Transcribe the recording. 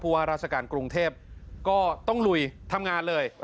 ว่าราชการกรุงเทพก็ต้องลุยทำงานเลย